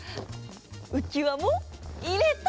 うきわもいれた！